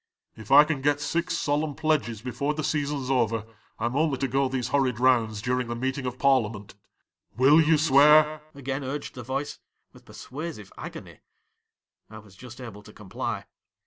'" If I can get six solemn pledges before the season 's over, I 'm only to go these horrid rounds during the meeting of Parb'ament." '" Will you swear?" again urged the voice, with persuasive agony. ' I was just able to comply.